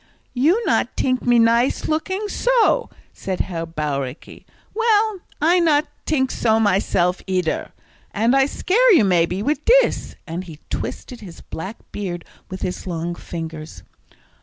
"You not tink me nice looking so?" said Herr Bauricke. "Well, I not tink so myself, eeder. And I scare you maybe, wid dis," and he twisted his black beard with his long fingers.